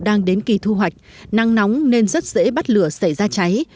đang đến kỳ thu hoạch nắng nóng nên rất dễ bắt lửa xảy ra cháy